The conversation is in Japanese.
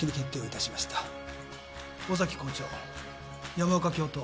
尾崎校長山岡教頭